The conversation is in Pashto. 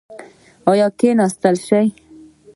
ایا کیناستلی شئ؟